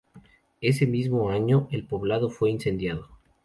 Ese mismo año el poblado fue incendiado.